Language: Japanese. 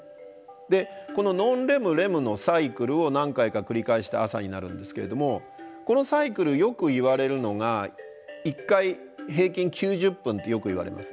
でこのノンレムレムのサイクルを何回か繰り返して朝になるんですけれどもこのサイクルよくいわれるのが１回平均９０分ってよくいわれます。